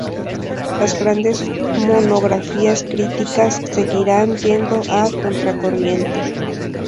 Las grandes monografías críticas seguirán yendo a contracorriente.